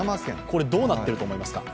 これ、どうなっていると思いますか。